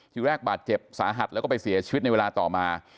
ทีแรกบาดเจ็บสาหัสแล้วก็ไปเสียชีวิตในเวลาต่อมา